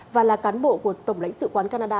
và là cán bộ của tổng lãnh sự quán canada